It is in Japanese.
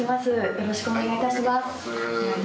よろしくお願いします。